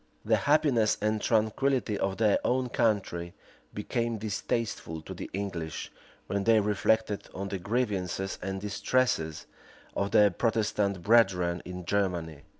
The happiness and tranquillity of their own country became distasteful to the English, when they reflected on the grievances and distresses of their Protestant brethren in Germany.